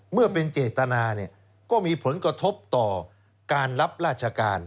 เมื่อเป็นเจตนาก็มีผลกระทบต่อการรับราชการ